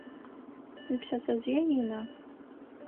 Уипшъэшъэжъые ина?